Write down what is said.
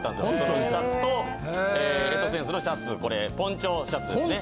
このシャツとエトセンスのシャツこれポンチョシャツですね。